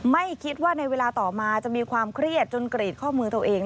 ไม่คิดว่าในเวลาต่อมาจะมีความเครียดจนกรีดข้อมือตัวเอง